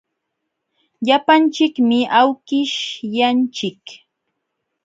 Llapanchikmi awkishyanchik.